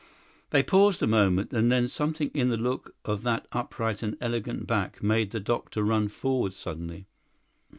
They paused a moment, and then something in the look of that upright and elegant back made the doctor run forward suddenly.